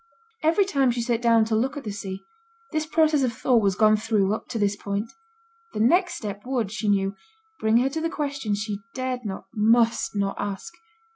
Every time she sate down to look at the sea, this process of thought was gone through up to this point; the next step would, she knew, bring her to the question she dared not, must not ask.